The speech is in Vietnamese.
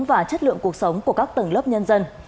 và chất lượng cuộc sống của các tầng lớp nhân dân